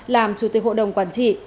làm chủ tịch hội đồng quản trị